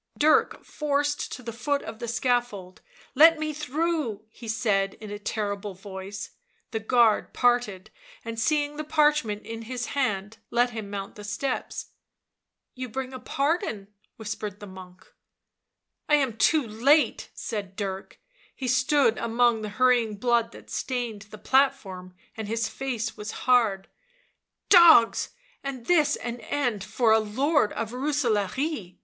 Dirk forced to the foot of the scaffold. " Let me through," he said in a terrible voice; the guard parted ; and seeing the parchment in his hand, let him mount the steps. " You bring a pardon ?" whispered the monk. " I am too late," said Dirk; he stood among the hurrying blood that stained the platform, and his face was hard. " Dogs! was this an end for a lord of Rooselaare!"